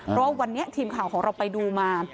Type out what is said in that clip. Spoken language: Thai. เพราะว่าวันนี้ทีมข่าวของเราไปดูมา